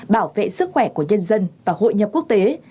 bảo vệ sức khỏe của nhân dân và hội nhập quốc tế